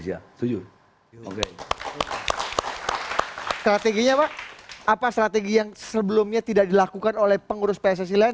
strateginya pak apa strategi yang sebelumnya tidak dilakukan oleh pengurus pssi lain